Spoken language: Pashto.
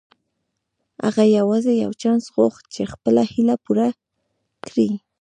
هغه يوازې يو چانس غوښت چې خپله هيله پوره کړي.